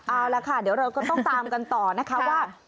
เอาละค่ะเดี๋ยวเราก็ต้องตามกันต่อนะคะว่า